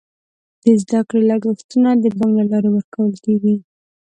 د زده کړې لګښتونه د بانک له لارې ورکول کیږي.